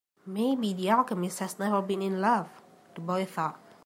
Maybe the alchemist has never been in love, the boy thought.